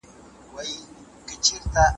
ایا بهرني سوداګر وچ توت ساتي؟